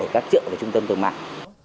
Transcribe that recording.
các chợ và trung tâm thương mại